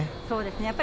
そうですね。